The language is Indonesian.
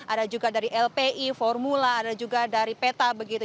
ada juga dari lpi formula ada juga dari peta begitu